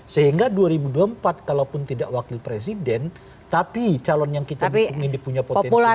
sehingga dua ribu dua puluh empat kalaupun tidak wakil presiden tapi calon yang kita dukung ini punya potensi